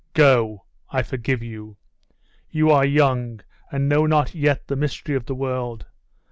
Go I forgive you: you are young, and know not yet the mystery of the world.